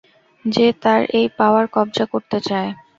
যে তার এই পাওয়ার কব্জা করতে চায়।